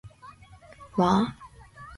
わー